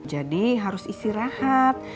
jadi harus istirahat